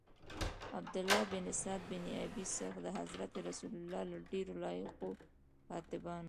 عبدالله بن سعد بن ابی سرح د حضرت رسول له ډیرو لایقو کاتبانو.